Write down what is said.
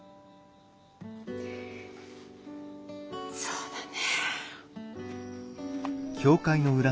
そうだね。